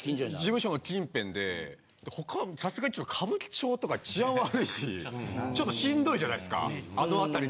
事務所の近辺で他さすがに歌舞伎町とか治安悪いしちょっとしんどいじゃないですかあの辺りで。